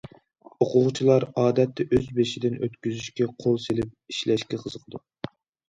ئوقۇغۇچىلار ئادەتتە ئۆز بېشىدىن ئۆتكۈزۈشكە، قول سېلىپ ئىشلەشكە قىزىقىدۇ.